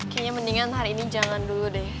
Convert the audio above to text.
kayaknya mendingan hari ini jangan dulu deh